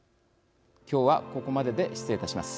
今日はここまでで失礼いたします。